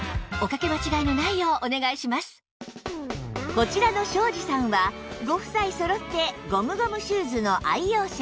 こちらの庄子さんはご夫妻そろってゴムゴムシューズの愛用者